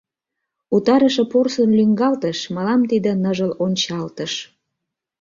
Утарыше порсын лӱҥгалтыш — Мылам тиде ныжыл ончалтыш.